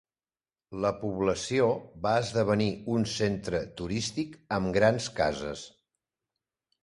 La població va esdevenir un centre turístic amb grans cases.